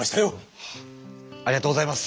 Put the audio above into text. ありがとうございます。